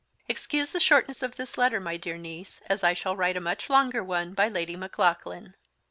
Excuse the Shortness of this Letter, my dear Niece, as I shall Write a much Longer one by Lady Maclaughlan.